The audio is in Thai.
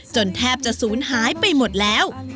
จนแทบจะสูญหายไปหมดแล้ว